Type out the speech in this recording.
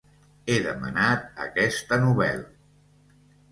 He demanat aquesta novel